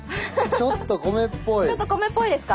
ちょっと米っぽいですか？